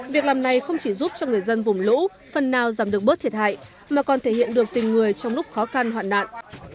việc làm này không chỉ giúp cho người dân vùng lũ phần nào giảm được bớt thiệt hại mà còn thể hiện được tình người trong lúc khó khăn hoạn nạn